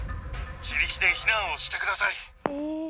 自力で避難をしてください。